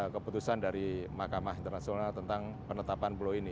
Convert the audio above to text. keputusan dari makamah internasional tentang penetapan beloying